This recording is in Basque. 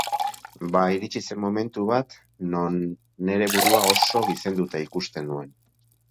Ba iritsi zen momentu bat non nere burua oso gizenduta ikusten nuen.